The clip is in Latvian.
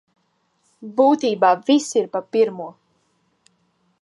Būtībā viss ir pa pirmo.